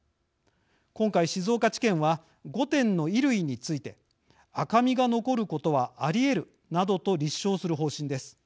今回静岡地検は５点の衣類について赤みが残ることはありえるなどと立証する方針です。